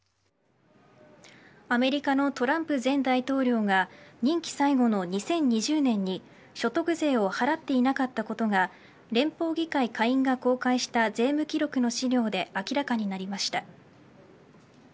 アメリカのトランプ前大統領が任期最後の２０２０年に所得税を払っていなかったことが連邦議会下院が公開した税務記録の資料で明らかになりました。